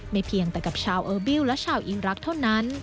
ไม่เพียงแต่กับชาวเอิอฟ่อกันและชาวอีรักษ์เท่านั้น